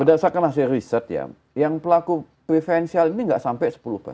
berdasarkan hasil riset ya yang pelaku kwivensial ini tidak sampai sepuluh persen